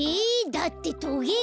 だってトゲが。